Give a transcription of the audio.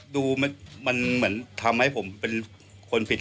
ดูมันทำให้ผมเป็นคนเพียง